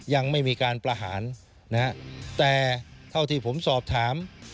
ยังไม่มีการประหารนะฮะแต่เท่าที่ผมสอบถาม